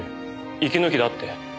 息抜きだって。